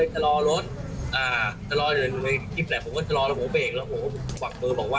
จะรอรถอ่าจะรอเดี๋ยวในคลิปแหละผมก็จะรอแล้วผมเบรกแล้วผม